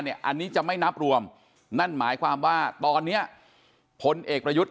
อันนี้จะไม่นับรวมนั่นหมายความว่าตอนนี้พลเอกประยุทธ์